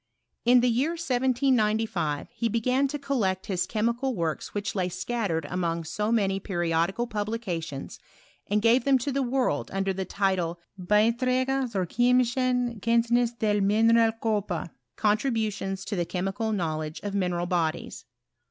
In the year 1795 he began to collect his chemical works which lay scattered among so many periodical publications, and gave them to the world under the title of " Beitrage zur Chemischen Kenntniss der Mi neralkorper" (Contributions to the Chemical Know ledge of Mineral Bodies).